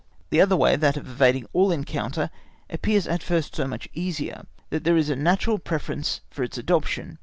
The other way, that of evading all encounter, appears at first so much easier, that there is a natural preference for its adoption.